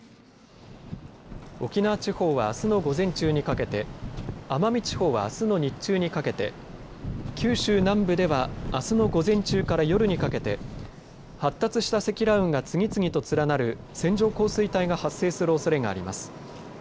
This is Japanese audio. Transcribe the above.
沖縄地方はあすの午前中にかけて奄美地方は、あすの日中にかけて九州南部ではあすの午前中から夜にかけて発達した積乱雲が次々と連なる線状降水帯が発生するおそれがあります。